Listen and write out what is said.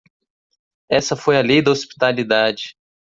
Essa foi a lei da hospitalidade.